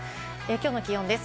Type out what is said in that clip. きょうの気温です。